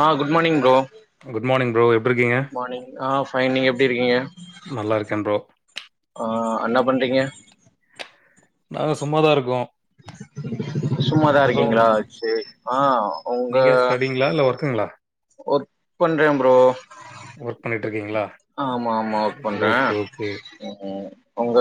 ஆ good morning bro morning bro எப்டி இருக்கீங்க? Good morning ஆ fine நீங்க எப்டி இருக்கீங்க நல்லா இருக்கேன் ப்ரோ ஆ அண்ணா பண்றீங்க நாங்க சும்மாதா இருக்கோ சும்மாதா இருக்கீங்களா சேரி ஆ உங்க நீங்க ஸ்டடிங்களா? இல்ல ஒர்க்குங்களா? ஒர்க் பண்றே ப்ரோ ஒர்க் பண்ணிட்டு இருக்கீங்களா? அ ஆமா ஆமா ஒர்க் பண்றே ஓகே, ஓகே. உங்க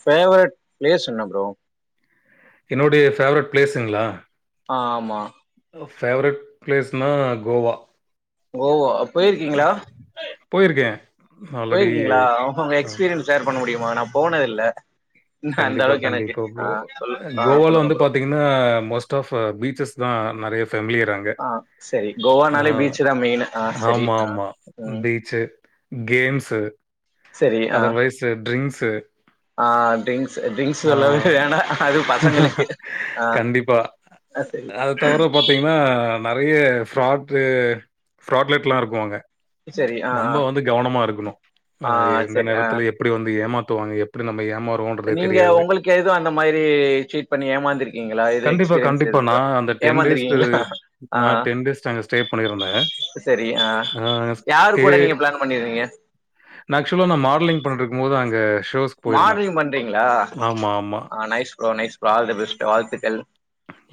ஃபேவரட் பிளேஸ் என்ன ப்ரோ என்னுடைய ஃபேவரட் ப்ளேஸுங்ளா ஆ ஆமா ஃபேவரட் ப்ளேஸ்னா கோவா கோவா போயிருக்கீங்களா போயிருக்கே ஆல்ரெடி போயிருக்கீங்களா உங்க ஆ எக்ஸ்பீரியன்ஸ் ஷேர் பண்ண முடியுமா நா போனது இல்ல கண்டிப்பா கண்டிப்பா ப்ரோ சொல் ஆ கோவால சொல்லுங்க வந்து பாத் ப்ரோ பாத்தீங்கன்னா மோஸ்ட் ஆஃப் அ பீச்சஸ் தா நெறையா ஃபேமிலியர் அங் ங்க ஆ சரி ஆ கோவானாலே பீச் தா மெயின் ஆ சரி ஆமா ஆ ஆமா ம் பீச்சு கேம்ஸ்ஸு செரி ஆ ஆ ட்ரிங்க்ஸ் ட்ரிங்க்ஸ் ஆ சொல்லவே வேணா அதுவு பசங்களுக்கு ஆ ஆ செரி பாத்தீங்கன்னா நெறையா ஃப்ராட்டு ஃப்ராட்லெட்லா இருக்கு அங்க சரி ஆ ஆ நம்ம வந்து கவனமா இருக்கணு அ ஆ எந்த சரி ஆ நேரத்துல எப் எப்புடி வந்து ஏமாத்துவாங்க எப்புடி நம்ம ஏமாறுவோன்றதை கே உங்களுக்கு எதுவு அந்த மாரி சீட் பண்ணி ஏமாந்துருக்கீங்களா எது கண்டிப்பா, எக்ஸ்பீரியன்ஸ் இருக்கா ஏமாந்துருக்கீங்ளா நா டென் டேஸ் அங்க ஸ்டே பண்ணிருந்தே சரி அ யாரு கூட நீங்க பிளான் பண்ணிருந்தீங்க மேக்ஸிமம் நா மாடலிங் பண்ணிட்ருக்கும் போது அங்க ஷோஸ் மாடலிங் பண்றீங்களா ஆமா ஆமா ஆ nice bro nice bro all the best வாழ்த்துகள்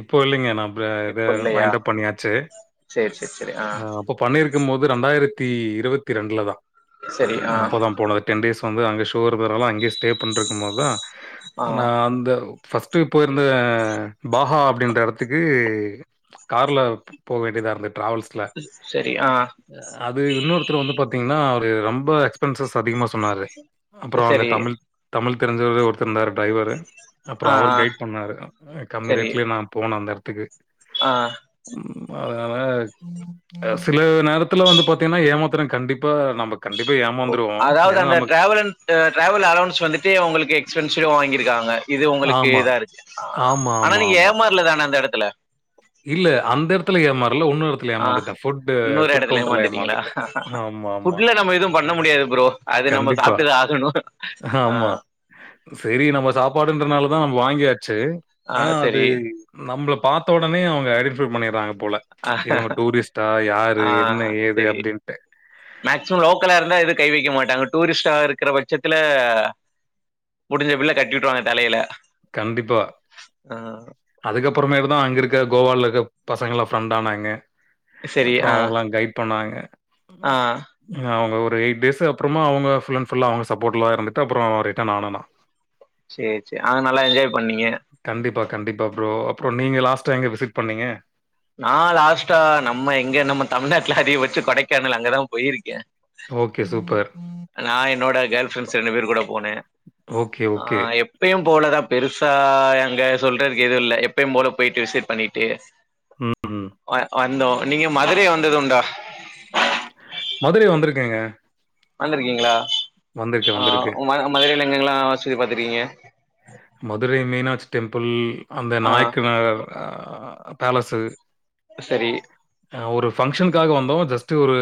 இப்போ இல்லைங்க நா ப ப இல்லையா வைண்டப் பண்ணியாச்சு சரி சரி சரி ஆ இப்ப பண்ணிருக்கும் போது ரெண்டாயிரத்தி இருபத்தி ரெண்டுல தா சரி ஆ அப்போதா போனது டென் டேஸ் வந்து அங்க ஷோ இருந்ததனால அங்கேயே ஸ்டே பண்டுருக்கும் போதுதா ஆ நா அந்த ஃபஸ்ட்டு போயிருந்தே பாஹா அப்டின்ற இடத்துக்கு கார்ல போக வேண்டியதா இருந்து ட்ராவல்ஸ் சரி ஆ அது இன்னொருத்தர் வந்து பாத்தீங்கன்னா அவரு ரொம்ப எக்ஸ்பென்சஸ் அதிகமா சொன்னாரு அப்றோ அங்க சரி தமிழ் தமிழ் தெரிஞ்சவுங்க ஒருத்தர் இருந்தார் டிரைவரு அப்றோ ஆ ஆ அவரு கைட் பண்ணாரு கம்மி சரி ரேட்லே நா போனோ அந்த இடத்துக்கு ஆ ம் அதனால அ சில நேரத்துல வந்து பாத்தீங்கன்னா ஏமாத்தினவன் கண்டிப்பா நமக் கண்டிப்பா ஏமாந்துருவோ ஏனா நமக் அ ட்ராவல் அலௌன்ஸ் வந்துட்டு உங்களுக்கு எக்ஸ்பென்சிவ்வா வாங்கிருக்காங்க இது உங்களுக்கு ஆமா. இதாருக்கு ஆமா, ஆனா ஆமா, நீங்க ஆமா. ஏமாறலதான அந்த இடத்துல இல்ல அந்த இடத்துல ஏமாறல இன்னோரு இ ஆ இன்னொரு இடத்துல ஏமாந்துட்டீங்களா ஏமாந்துட்டேன். ஆமாமா. ஃபுட்ல நம்ம எதுவு பண்ண முடியாது ப்ரோ அது நம்ம கண்டிப்பா. சாப்ட்டு தா ஆகணு ஆ சேரி நம்ம சாப்பாடுன்றனாலதா நம்ம வாங்கியாச்சு ஆ, ஆனா அது சரி நம்மள பாத்த உடனே அவங்க ஐடென்டிஃபை பண்ணிட்றாங்க போல ஆ, இவங்க டூரிஸ்டா யாரு என்ன ஏது அப்டின்ட்டு மேக்சிமம் லோக்கலாருந்தா எதும் கை வைக்க மாட்டாங்க டூரிஸ்டாருக்கிற பட்சத்துல முடிஞ்ச பில்ல கட்டி உட்ருவாங்க தலைல கண்டிப்பா அதுக்கப்றமே தா அங்கருக்க கோவால இருக்க பசங்கலா ஃப்ரெண்ட் ஆனாங்க சரி அப்றோ ஆ அவங்கல்லா கைட் பண்ணாங்க ஆ அவங்க ஒரு எயிட் டேஸ் அப்றமா அவுங்க ஃபுல் அண்ட் ஃபுல்லா அவங்க சப்போட்ல தா இருந்துட்டு அப்றோ ரிட்டன் ஆனே நா சேர் சேரி அங்க நல்லா என்ஜாய் பண்ணீங்க கண்டிப்பா கண்டிப்பா ப்ரோ அப்றோ நீங்க லாஸ்டா எங்க விசிட் பண்ணீங்க நா லாஸ்டா நம்ம எங்க நம்ம தமிழ்நாட்டுல அதிகபச்சோ கொடைக்கானல் அங்கதா போய்ருக்கே ஓகே சூப்பர் நா என்னோட கேர்ள் ஃப்ரெண்ட்ஸ் ரெண்டு பேரு கூட போனே ஓகே, ஆ ஓகே. எப் பயும் போலதா பெருசா அங்க சொல்றதுக்கு எதுவு இல்ல எப்பயு போல போய்ட்டு விசிட் பண்ணிட்டு ம். வ வந்தோம் நீங்க மதுரை வந்ததுண்டா மதுரை வந்திருக்கேங்க வந்திருக்கீங்களா வந்திருக்கேன், ஆ வந்திருக்கேன். ம மதுரைல எங்க எங்கல்லா சுத்தி பாத்துருக்கீங்க மதுரை மீனாட்சி டெம்பிள் அந்த ஆ நாயக்கனார் அ பேலஸு செரி ஒரு ஃபங்க்ஷனுக்காக வந்தோ ஜஸ்ட்டு ஒரு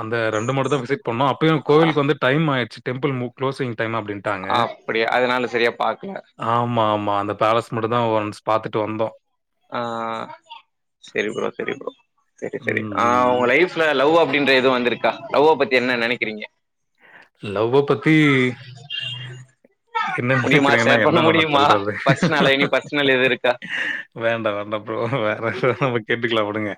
அந்த ரெண்டு மட்டு தா விசிட் பண்ணோ அப்பயு ஆ கோவிலுக்கு வந்து டைம் ஆயிச்சு டெம்பிள் மு க்ளோஸிங் டைம் அப்டின்ட்டாங்க அப்டியா அதனால செரியா பாக்கல ஆமா ஆமா அந்த பேலஸ் மட்டு தா ஒஸ் பாத்துட்டு வந்தோ ஆ செரி ப்ரோ செரி ப்ரோ செரி ம், செரி ஆ ம், ம். உங்க லைஃப்ல லவ் அப்டின்ற எதுவு வந்திருக்கா லவ்வ பத்தி என்ன நெனைக்கிறீங்க லவ்வ பத்தி என்ன முடியுமா நெனைக்கிறன்னா ஷேர் பண்ண என்ன நம்ம முடியுமா சொல்றது ஃபர்ஸ்ட் நாளா இனி ஃபர்ஸ்ட் நாள் எது இருக்கா வேண்டா வேண்டா ப்ரோ வேற நம்ம கேட்டுக்கலா விடுங்க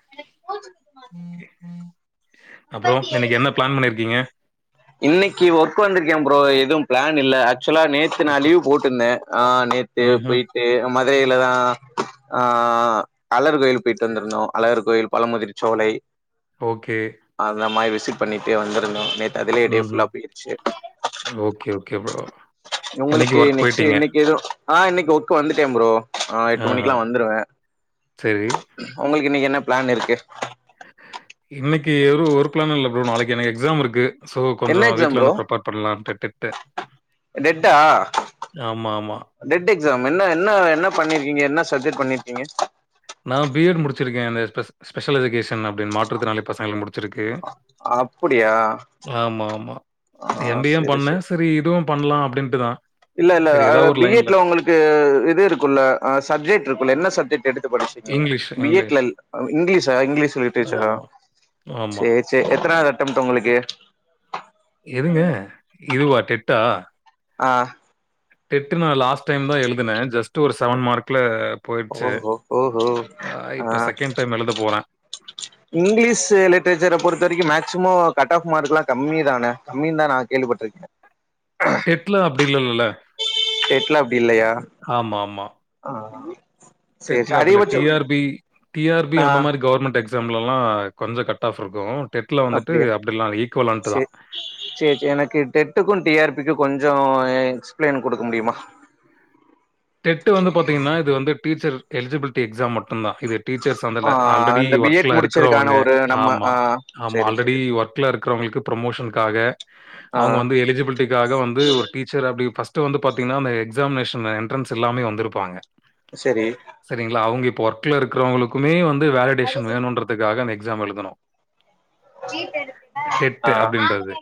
அப்றோ இன்னைக்கி என்ன பிளான் பண்ணிருக்கீங்க இன்னைக்கி ஒர்க் வந்திருக்கே ப்ரோ எதுவு பிளான் இல்ல ஆக்சுவலா நேத் து நா ஓகே. லீவ் போட்டுருந்தே ஆ நேத்து ம்ஹ்ம். போயிட்டு மதுரையில தா ஆ அழர் கோயில் போயிட்டு வந்திருந்தோ அழகர் கோயில் பழமுதிர் சோலை ஓகே அந்த மாரி விசிட் பண்ணிட்டே வந்திருந்தோ நேத் அதுலே டே ஃபுல்லா ம்ஹ்ம். போயிருச்சு ஓகே, ஓகே ப்ரோ. இன்னைக்கு உங்களுக்கு வொர்க் நெக்ஸ்ட் போயிட்டீங்க. இன்னைக்கி எதுவு ஹ இன்னைக்கி ஒர்க் வந்துட்டே ப்ரோ ஆ எட்டு ஆஹா. மணிக்கெல்லா வந்துருவே சரி. உங்களுக்கு இன்னைக்கி என்ன பிளான் இருக்கு இன்னைக்கி எரு ஒரு பிளான்னு இல்ல ப்ரோ நாளைக்கி எனக்கு எக்ஸாம் இருக்கு சோ கொஞ்சோ என்ன எக்ஸாம் வீட்ல ப்ரோ வந்து ப்ரீப்பேர் பண்ணலாம்ட்டு ட்டுட்டு டெட்டா ஆமா ஆமா டெட் எக்ஸாம் என்ன என்ன என்ன பண்ணிருக்கீங்க என்ன சப்ஜெக்ட் பண்ணிருக்கீங்க நா பி எட் முடிச்சிருக்கே இந்த ஸ்பெ ஸ்பெஷல் எஜுகேஷன் அப்டின் மாற்றுதிறனாளி பசங்கள முடு ச்சுருக்கு அப்படியா ஆமா ஆமா ஆ எம் பி ஏ சரி பண்ணே சரி செரி இதுவு பண்ணலா அப்டின்ட்டுதா இல்ல இல்ல அதுல பி எட்ல உங்களுக்கு இது இருக்குல்ல சப்ஜெக்ட் இருக்குல்ல என்ன சப்ஜெக்ட் எடுத்து படிச்சீங்க இங்கிலீஷ், பி இங்கிலீஷ். எட்லல் இங்கிலீஷா இங்கிலீஷ் லிட்டரேச்சாரா ஆமா, ஆமா. சேரி சே எத்தனாவது அட்டம்ட்டு ஒங்களுக்கு எதுங்க இதுவா டெட்டா ஆ டெட்டு நா லாஸ்ட் டைம் தா எழுதுனே ஜஸ்ட்டு ஒரு செவன் மார்க்ல போயிடுச்சு ஓஹோ ஓஹோ ஆ இப்ப செகண்ட் டைம் எழுத போறே இங்கிலீஷ் லிட்ரேச்சர பொறுத்த வரைக்கு மேக்சிமம் கட் ஆஃப் மார்கெலா கம்மி தான கம்மின்தா நா கேள்விப்பட்டிருக்கே டெட்ல அப்டி இல்லல்ல டெட்ல அப்டி இல்லையா ஆ சேரி சே டெட்ல்ல அப்டி இல்ல டீ அதிகபட்சம் R B T R B ஆ அந்த மாரி கவர்மெண்ட் எக்ஸ் எக்ஸாம்லல்லா கொஞ்சோ கட் ஆஃப் இருக்கு டெட்ல வந்துட்டு அப்டில்லா ஈக்குவல் அன்ட்டு தா சேர் சே எனக்கு டெட்டுக்கு டி ஆர் பி க்கு கொஞ்சோ எக்ஸ்பிளைன் குடுக்க முடியுமா டெட்டு வந்து பாத்தீங்கன்னா இது வந்து டீச்சர் எலிஜிபிலிட்டி எக்ஸாம் மட்டுந்தா இது டீச்சர்ஸ் அந்தல ஆ ஆல்ரெடி இந்த பி ஒர்க்ல எட் இருக்கிறவங்க முடிச்சதுக்கான ஒரு நம்ம ஆமா ஆ ஆமா சேரி ஆல்ரெடி சேரி ஒர்க்ல இருக்கிறவங்களுக்கு ப்ரமோஷன்க்காக ஆ அவுங்க வந்து எலிஜிபில் லிட்டிக்காக வந்து ஒரு டீச்சர் அப்டி ஃபஸ்ட்டு வந்து பாத்தீங்கன்னா அந்த எக்ஸாமினேஷனு என்ட்ரன்ஸ் இல்லாமே வந்துருப்பாங்க செரி சரிங்ளா அவங்க இப்ப ஒர்க்ல இருக்கறவங்களுக்குமே வந்து வேலிடேஷன் வேணுன்றதுக்காக அந்த எக்ஸாம் எழுதணு டெட்டு ஆ அப்டின்றது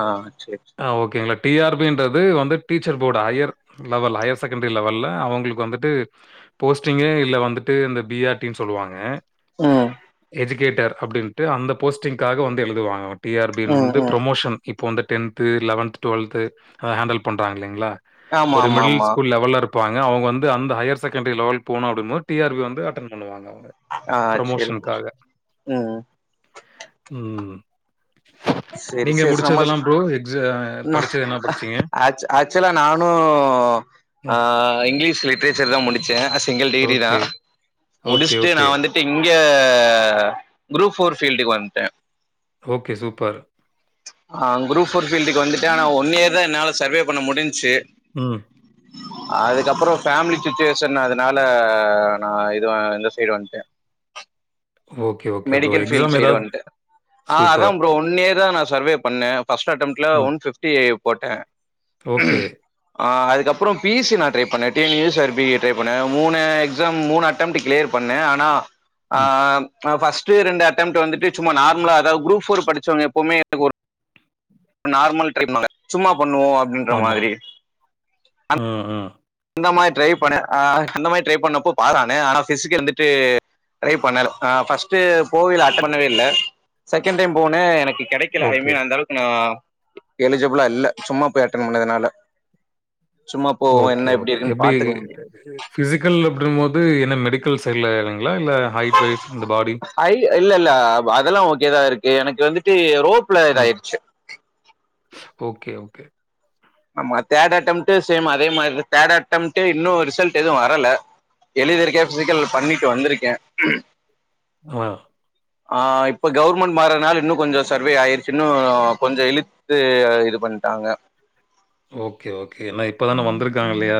ஆ சேரி ஆ ஓகேங்ளா டி ஆர் பி ன்றது வந்து teacher board higher level highest secondary லெவல்ல அவங்களுக்கு வந்துட்டு போஸ்டிங்கே இல்ல வந்துட்டு இந்த பிஆர் டின்னு சொல்லுவாங்க ம் எஜுகேட்டர் அப்டின்ட்டு அந்த போஸ்டிங்க்காக வந்து எழுதுவாங்க டி ஆர் பி ம் வந்து ம் ப்ரமோஷன் இப்ப வந்து டென்த்து லெவன்த் டுவல்த்து அத ஹேண்டல் பண்ணுறாங்க இல்லைங்ளா ஆமா ஒரு ஆமா மிடில்ஸ் ஆமா லெவல்ல இருப்பாங்க அவங்க வந்து அந்த ஹையர் செகண்டரி லெவல் போணு அப்டிங்கம்போது டி ஆர் பி வந்து அட்டன் பண்ணுவாங்க ஆ சேரி ப்ரமோஷன்க்காக ம் ம் சேரி நீங்க சேரி நம்ம முடிச்சதெல்லா ப்ரோ எக்ஸ படிச்சது என்னா படிச்சீங்க ஆக்ச்சுலா நானு ஆ ம். இங்கிலீஷ் லிட்ரேச்சர் தா முடிச்சே சிங்கிள் டிகிரி தா ஓகே, ஓகே, முடிச்ட்டு நா ஓகே, வந்து இங்க குரூப் ஃபோர் ஃபீல்டுக்கு வன்ட்ட ஓகே சூப்பர் ஆ குரூப் ஃபோர் ஃபீல்டுக்கு வந்துட்டு ஆனா ஒன் இயர் தா என்னால சர்வே பண்ண முடிஞ்ச்சு ம் அதுக்கப்பற ஃபேமிலி சிச்சுவேஷன் அதனால நா இது இந்த சைடு வந்துட்ட ஓ மெடிக்கல் ஃபீல்டு சைடு வந்ட்ட ஆ அதா சூப்பர். ப்ரோ ஒன்னியர் தா நா சர்வே பண்ணே ஃபர்ஸ்ட் அட்டெம்ப்ட்ல்ல ம். ஒன் ஃபிப்டி ஏ போட்ட ஓகே ஆ அதுக்கப்பற பிசி நா ட்ரை பண்ணே T N S R B try பண்ண மூணு எக்ஸாம் மூணு அட் ட்டம்ப்ட் கிளியர் பண்ண ஆனா ஆ ம். ஆ ஃபர்ஸ்ட்டு ரெண்டு அட்டெம்ப்ட் வந்துட்டு சும்மா நார்மலா அதாவது குரூப் ஃபோர் படிச்சவங்க எப்பவுமே எனக்கு ஒரு நார்மல் ட்ரை பண்ணுவாங்க சும்மா பண்ணுவோ அப்டின்ற ஆமா மாதிரி அ அ இந்த மாரி ட்ரை பண்ண ஆ இந்த மாரி ட்ரை பண்ணப்போ பாரானே ஆனா பிசிக் இருந்துட்டு ட்ரை பண்ணல ஆ ஃபர்ஸ்ட்டு போவேல்ல அட்டன் பண்ணவே இல்ல செகண்ட் டைம் போனே எனக்கு கெடைக் க்கல ஐ ஓகே, மீன் அந்த அளவுக்கு நா எலிஜிபிளா இல்ல சும்மா போய் அட்டன் பண்ணதுனால சும்மா போவோ என்ன இப் எப்டி பிசிக்கல் அப்டின் போது என்ன மெடிக் க்கல் சைட்ல இதுங்களா இல்ல ஹைட் வைஸ் இந்த பாடி ஹை இல்ல இல்ல அதெல்லா ஓகேதா இருக்கு எனக்கு வந்துட்டு ரோப்ல ம். இதாயிடுச்சு ஓகே ஓகே ஆமா தேர்ட் அட்டம்ப்ட் சேம்‌ அதே மாரில தேர்ட் அட்டம்ட் இன்னு ரிசல்ட் எதுவு வரல எழுதிருக்க பிசிக்கல் பண்ணிட்டு வந்திருக்க ஆ ஆ இப்ப கவுவர்மெண்ட் மார்றதுனால இன்னு கொஞ்சோ சர்வே ஆயிடுச்சுன்னு கொஞ்சோ இழு இது இது பண்ணிட்டாங்க ஓகே ஓகே என்னா இப்பதான வந்திருக்காங்க இல்லயா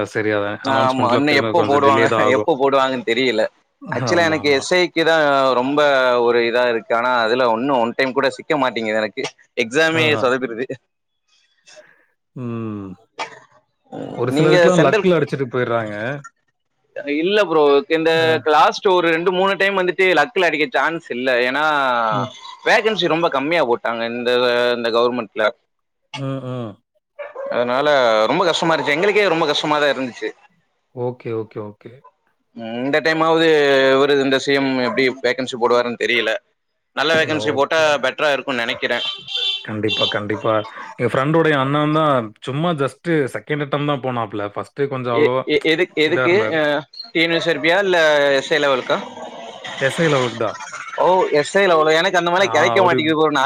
ஆ ஆமா இன்னு எப்ப போடுவாங்க தான் ஆகும். எப்ப போடுவாங்கன் தெரியல ஆக்சுவலா எனக்கு ஆமாமா. எஸ் ஐ கீழதா ரொம்ப ஒரு இதா இருக்கு ஆனா அதுல ஒன்னும் ஒன் டைம் கூட சிக்க மாட்டேங்குது எனக்கு எக்ஸாமே ஆஹ. சொதப்பிடுது ம் ஒரு நீங்க சிலருக்குல்லா சென்ட்ரல் லக்குல அடிச்சிட்டு போய்றாங்க இல்ல ப்ரோ ‌ இந்த கிளாஸ் ஒரு ரெண்டு மூணு டைம் வந்துட்டு லக்ல அடிக்க சான்ஸ் இல்ல ஏனா ம். வேகன்சி ரொம்ப கம்மியா போட்டாங்க இந்த இந்த கவர்மெண்ட்ல ம் ம் அதனால ரொம்ப கஷ்டமா இருச்சு எங்களுக்கே ரொம்ப கஷ்டமாதான் இருந்துச்சு ஓகே ஓகே ஓகே இந்த டைம்மாவது ஒரு இந்த சி எம் எப்டி வேகன்சி போடுவாருன்னு தெரியல நல்ல வேகன்சி போட்டா ஓகே. பெட்டரா இருக்கும்னு நெனைக்கிறேன் கண்டிப்பா கண்டிப்பா என் ஃப்ரெண்டோடைய அண்ணன் தான் சும்மா ஜஸ்ட் செகண்ட்ட்டம் தான் போனாப்புல பஸ்ட் எது எதுக்கு டின சர்ப்பியா இல்ல எஸ் ஐ லெவலுக்கா எஸ் ஐ லெவலுக்கு தான் ஓ எஸ் ஐ லெவளோ எனக்கு அந்த மார்ல்லாம் கிடைக்க மாட்டேங்குது ப்ரோ நா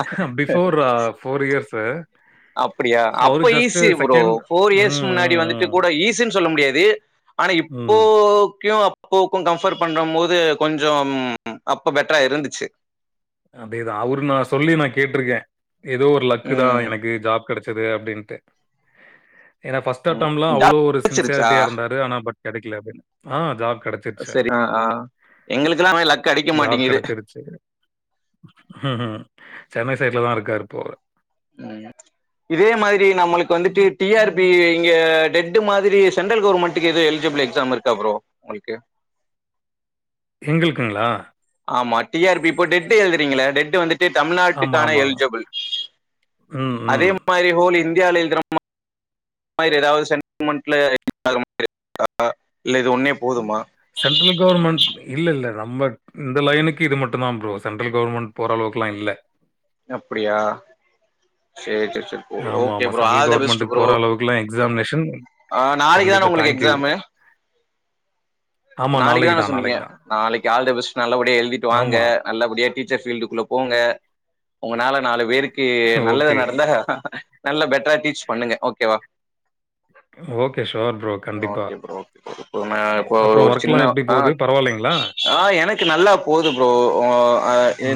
ஃப்போர் இயர்ஸ்சு அப்படியா அப்ப ஈஸி ப்ரோ ஃப்போர் ம், இயர்ஸ் முன்னாடி வந்துட்டு ம், கூட ஈஸினு சொல்ல முடியாது ஆனா ம். ம். இப்போகியும் அப் அப்போக்கும் கம்பர் பண்ற மோது கொஞ்சம் அப்போ பெட்டரா இருந்துச்சு அதேதான் அவரு நான் சொல்லி நான் கேட்டிருக்கேன் ஏதோ ஒரு லக்கு தான் ம் எனக்கு ஜாப் கிடச்சது அப்படின்ட்டு ஏன்னா பஸ்ட் ம் அட்டம்லாம் அவ்ளோ ஜாப் ஒரு கெடச்சிருச்சா சின்சியாரிட்டியா இருந்தாரு ஆன பட் கிடைகல அது ஆ ஜாப் கெடச் செரி ஆ ஆ எங்களுக்குல்லாம் லக் அடிக்க மாட்டிங்குது ம் ம் சென்னை சைட்ல தான் இருக்காருப்போ ம் இதே மாதிரி நம்மளுக்கு வந்துட்டு டி ஆர் பி இங்க டெட் மாதிரி சென்ட்ரல் கவுர்மெண்ட் ட்டுக்கு எது எலிஜிபிள் எக்ஸாம் இருக்கா ப்ரோ உங்களுக்கு எங்ளுக்குங்களா ஆமா டி ஆர் பி இப்ப டெட் எழுதுறீங்க டெட்டு வந்துட்டு டெட் ஆமா, தமிழ்நாட்டுக்கான ஆமா. எல்ஜபள் ம், அதே ம். மாரி ஹோல் இந்தியால எழுதுற வ ம ம ஏதாது செட்மன்ட்ல [inaudible] இல்ல இந்த ஒன்னே போதுமா சென்ட்ரல் கவர்மண்ட் இல்ல இல்ல நம்ப இந்த லைனுக்கு இது மட்டும் தான் ப்ரோ சென்ட்ரல் கவர்மெண்ட் போற அளவுக்குல்லாம் இல்ல அப்படியா சேரி சேரி சேரி ஆமா ஆமா சென்ட்ரல் கவர்மெண்ட்டுக்கு போற அளவுக்குலாம் எக்ஸாமினேஷன் நாளைக்கு தான கண்டிப்பா. உங்களுக்கு தேங்க் யூ. எக்ஸாமு ஆமா நாளைக்கு தான தான், சொன்னீங்க நாளைக்கு தான். நாளைக்கு ஆல் த பெஸ்ட் நல்லபடியா எழுதிட்டு வாங்க ஆமா. நல்லபடியா டீச்சர் ஃபீல்டுக்குள்ள போங்க உங்களனால நாலு பேருக்கு நல்லது ஓகே. நடந்தா நல்ல பெட்டரா டீச் பண்ணுங்க ஓகேவா ஓகே. Sure bro. கண்டிப்பா. ஓகே ப்ரோ அப்புறம் [inaudible] என்ன ஒர்க்லாம் எப்படி ஆஹ் போகுது? பரவாயில்லைங்களா? ஆஹ் எனக்கு நல்லா போது ப்ரோ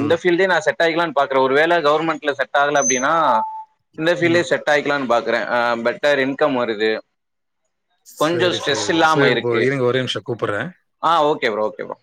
இந்த ஃபீல்டே நான் செட் செட் ஆயிடலாம் னு பாக்கறேன் செட் ஆக்கிடலாம்னு பாக்குறன் ஒரு வேல கவர்மெண்ட்ல செட் ஆகல அப்படின்னா இந்த ம். ஃபீல்ட்லே செட் செட் ஆயிக்கலாம்னு பாக்குறன் பெட்டர் இன்கம் வருது கொஞ்சோ செரி ஸ்ட்ரெஸ் செரி ப்ரோ இல்லாம செரி ப்ரோ இருக்கு இருங்க ஒரே நிமிஷம் கூப்பறேன் ஆ ஓகே ப்ரோ ஓகே ப்ரோ